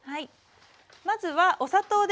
まずはお砂糖です。